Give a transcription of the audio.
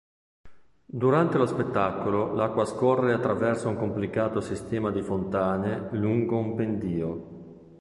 Durante lo spettacolo l'acqua scorre attraverso un complicato sistema di fontane lungo un pendio.